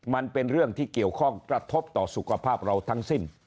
มันเป็นเรื่องที่เกี่ยวข้องกระทบต่อสุขภาพเราทั้งสิ้น